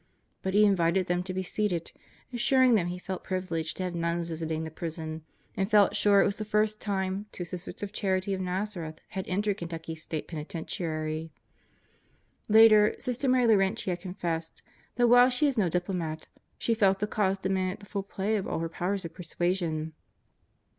But he invited them to be seated, assuring them he felt privileged to have nuns visiting the prison and felt sure it was the first time two Sisters of Charity of Nazareth had entered Kentucky's State Penitentiary. Later, Sister Mary Laurentia confessed that while she is no diplomat, she felt the cause demanded the full play of all her powers of persuasion.